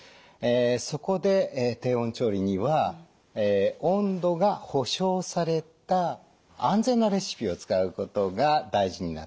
そこで低温調理には温度が保証された安全なレシピを使うことが大事になってくるんです。